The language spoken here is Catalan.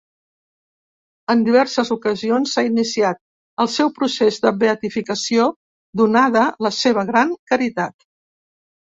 En diverses ocasions s'ha iniciat el seu procés de beatificació, donada la seva gran caritat.